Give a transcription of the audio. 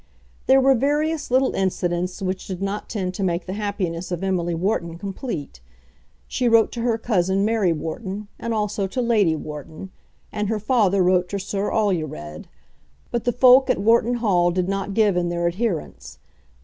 There were various little incidents which did not tend to make the happiness of Emily Wharton complete. She wrote to her cousin Mary Wharton, and also to Lady Wharton; and her father wrote to Sir Alured; but the folk at Wharton Hall did not give in their adherence.